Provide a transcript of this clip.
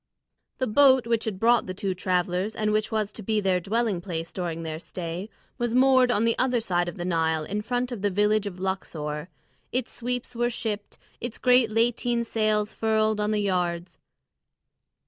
The boat which had brought the two travellers, and which was to be their dwelling during their stay, was moored on the other side of the Nile in front of the village of Luxor. Its sweeps were shipped, its great lateen sails furled on the yards.